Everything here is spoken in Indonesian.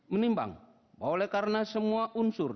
menimbang bahwa karena semua unsur